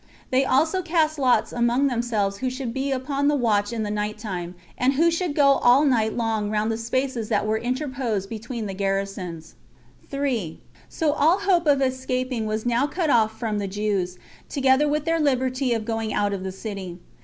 They also cast lots among themselves who should be upon the watch in the night time, and who should go all night long round the spaces that were interposed between the garrisons. 3. So all hope of escaping was now cut off from the Jews, together with their liberty of going out of the city.